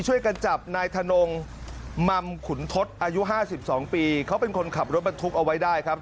ช่วยกันจับนายธนงมัมขุนทศอายุ๕๒ปีเขาเป็นคนขับรถบรรทุกเอาไว้ได้ครับ